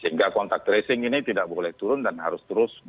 sehingga kontak tracing ini tidak boleh turun dan harus terus berjalan